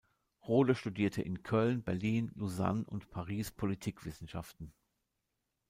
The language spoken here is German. Rohde studierte in Köln, Berlin, Lausanne und Paris Politikwissenschaften.